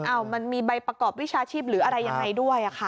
มันมีใบประกอบวิชาชีพหรืออะไรยังไงด้วยค่ะ